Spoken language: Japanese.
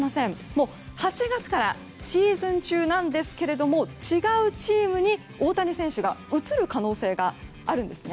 もう８月からシーズン中なんですけれども違うチームに大谷選手が移る可能性があるんです。